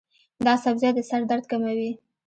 دا سبزی د سر درد کموي.